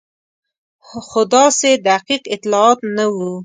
خو داسې دقیق اطلاعات نه وو.